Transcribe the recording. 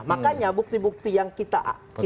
makanya bukti bukti yang kita